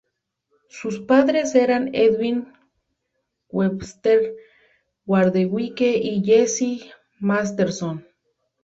Sus padres eran Edwin Webster Hardwicke y Jessie Masterson.